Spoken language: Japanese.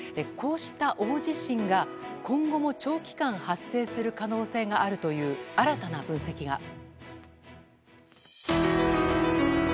こうした大地震が今後も長期間発生する可能性があるという新たな分析が。